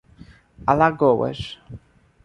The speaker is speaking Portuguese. Alagoas